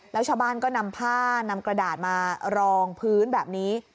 แล้วชาวบ้านก็นำผ้านำกระดาษมารองพื้นแบบนี้